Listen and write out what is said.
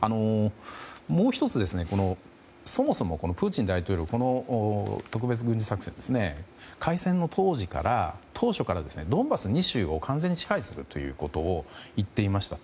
もう１つそもそもプーチン大統領この特別軍事作戦開戦の当初からドンバス２州を完全に支配すると言っていました。